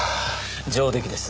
上出来です。